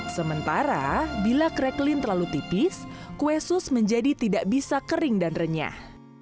sementara bila crequeen terlalu tipis kue sus menjadi tidak bisa kering dan renyah